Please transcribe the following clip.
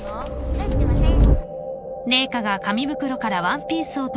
出してません